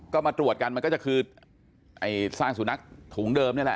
ก็มาตรวจกันมันก็จะคือไอ้ซากสุนัขถุงเดิมนี่แหละ